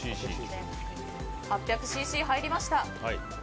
８００ｃｃ入りました。